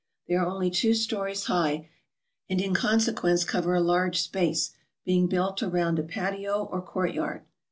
They are only two stories high, and in consequence cover a large space, being built around a patio or court yard.